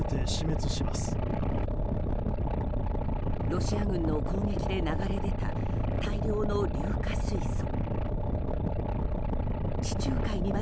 ロシア軍の攻撃で流れ出た大量の硫化水素。